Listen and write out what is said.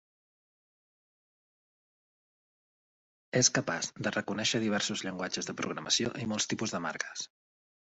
És capaç de reconèixer diversos llenguatges de programació i molts tipus de marques.